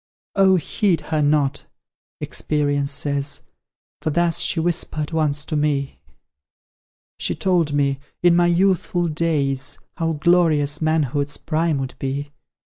"Oh, heed her not!" Experience says; "For thus she whispered once to me; She told me, in my youthful days, How glorious manhood's prime would be.